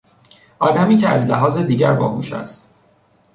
آدمی که از لحاظ دیگر باهوش است